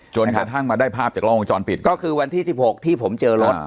จนกระทั่งมาได้ภาพจากล้องวงจรปิดก็คือวันที่สิบหกที่ผมเจอรถ